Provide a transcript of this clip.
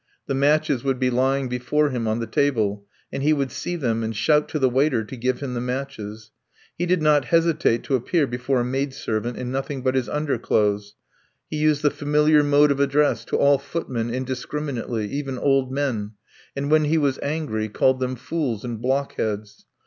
The matches would be lying before him on the table, and he would see them and shout to the waiter to give him the matches; he did not hesitate to appear before a maidservant in nothing but his underclothes; he used the familiar mode of address to all footmen indiscriminately, even old men, and when he was angry called them fools and blockheads.